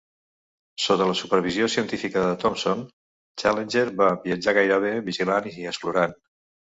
Sota la supervisió científica de Thomson, Challenger va viatjar gairebé vigilant i explorant.